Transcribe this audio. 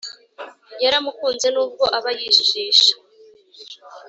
yaramukunze nubwo aba yijijisha